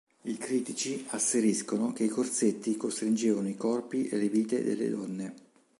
I critici asseriscono che i corsetti costringevano i corpi e le vite delle donne.